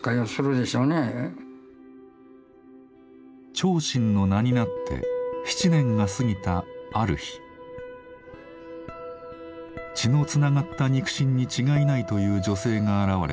長信の名になって７年が過ぎたある日血のつながった肉親に違いないという女性が現れ